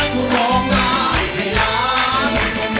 ร้องได้ให้ล้านร้องได้ให้ล้าน